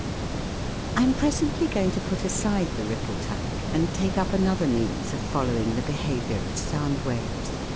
I am presently going to put aside the ripple tank and take up another means of following the be haviour of sound waves.